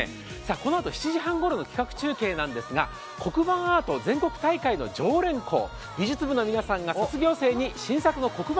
このあと７時半ごろの企画中継なんですが、黒板アート全国大会の常連校美術部の皆さんが卒業生に新作の黒板